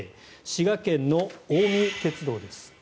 滋賀県の近江鉄道です。